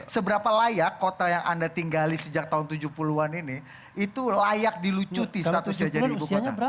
seberapa layak kota yang anda tinggali sejak tahun tujuh puluh an ini itu layak dilucuti statusnya jadi ibu kota